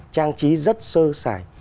trang trí rất sơ sài